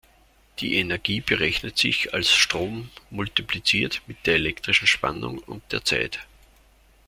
Die Energie berechnet sich als Strom multipliziert mit der elektrischen Spannung und der Zeit.